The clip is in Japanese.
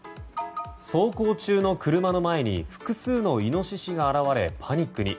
走行中の車の前に、複数のイノシシが現れパニックに。